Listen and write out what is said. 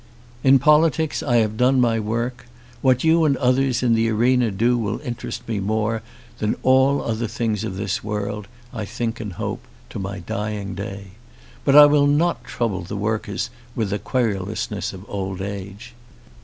In politics I have done my work. What you and others in the arena do will interest me more than all other things of this world, I think and hope, to my dying day. But I will not trouble the workers with the querulousness of old age.